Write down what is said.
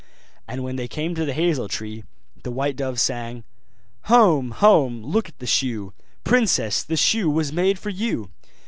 And when they came to the hazel tree, the white dove sang: 'Home! home! look at the shoe! Princess! the shoe was made for you!